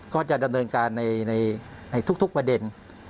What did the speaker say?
ก็จะดำเนินการในทุกประเด็น